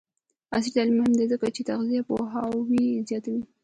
عصري تعلیم مهم دی ځکه چې د تغذیه پوهاوی زیاتوي.